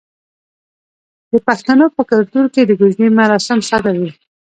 د پښتنو په کلتور کې د کوژدې مراسم ساده وي.